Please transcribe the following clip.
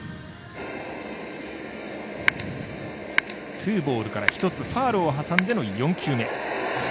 ツーボールから１つファウルを挟んでの４球目。